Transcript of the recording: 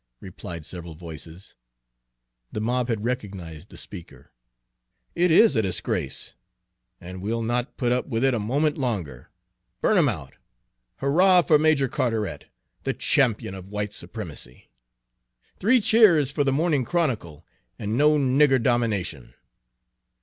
replied several voices. The mob had recognized the speaker. "It is a disgrace, and we'll not put up with it a moment longer. Burn 'em out! Hurrah for Major Carteret, the champion of 'white supremacy'! Three cheers for the Morning Chronicle and 'no nigger domination'!"